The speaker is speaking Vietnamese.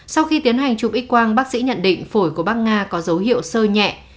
sau khi tiến hành chụp x quang bác sĩ nhận định phổi của bác nga có dấu hiệu sơ nhẹ